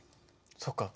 そっか。